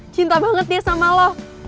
cinta banget nih sama lo